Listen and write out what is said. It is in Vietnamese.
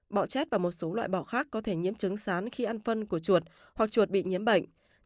bọ chét và một số loại bọ khác có thể nhiễm chứng sán khi ăn phân của chuột hoặc chuột bị nhiễm bệnh